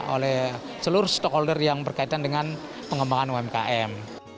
oleh seluruh stakeholder yang berkaitan dengan pengembangan umkm